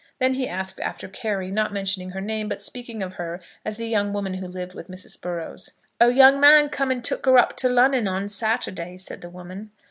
Then he asked after Carry, not mentioning her name, but speaking of her as the young woman who lived with Mrs. Burrows. "Her young man come and took her up to Lon'on o' Saturday," said the woman.